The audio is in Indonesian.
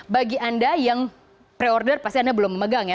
bagi anda yang pre order pasti anda belum memegang ya